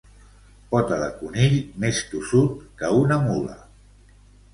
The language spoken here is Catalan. Pota de conill més tossut que una mula.